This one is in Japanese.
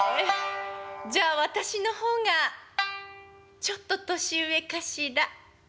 じゃあ私の方がちょっと年上かしら。